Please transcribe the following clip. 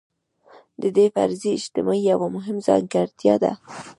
د دې فرضي اجتماع یوه مهمه ځانګړتیا ده.